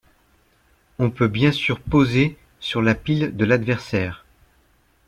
On peut bien sûr poser sur la pile de l'adversaire.